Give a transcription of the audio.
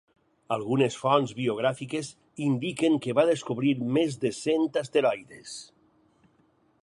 Algunes fonts biogràfiques indiquen que va descobrir més de cent asteroides.